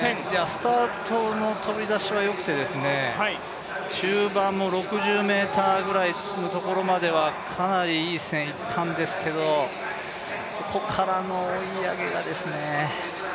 スタートの飛び出しはよくて、中盤も６０ｍくらいのところまではかなりいい線いったんですけどここからの追い上げがですね